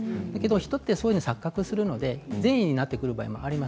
人は錯覚するので善意になってくる場合もあります。